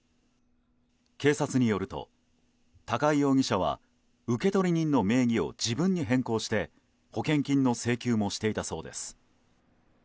警察によると、高井容疑者は受取人の名義を自分に変更して保険金の請求もしていたそうです。